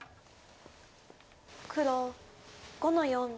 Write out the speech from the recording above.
黒５の四。